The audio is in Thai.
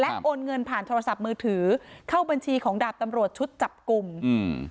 โอนเงินผ่านโทรศัพท์มือถือเข้าบัญชีของดาบตำรวจชุดจับกลุ่มอืม